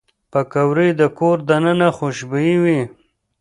پکورې د کور دننه خوشبويي وي